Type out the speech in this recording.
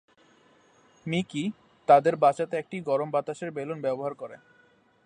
Mickey তাদের বাঁচাতে একটি গরম বাতাসের বেলুন ব্যবহার করে।